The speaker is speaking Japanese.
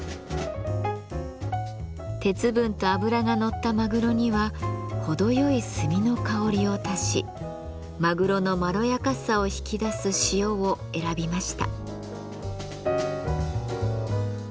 鉄分と脂がのったマグロには程よい炭の香りを足しマグロのまろやかさを引き出す塩を選びました。